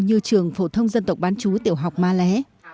như trường phổ thông dân tộc bán chú tiểu học ma lé